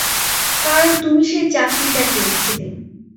কারণ তুমি সেই চাকরিটা চেয়েছিলে।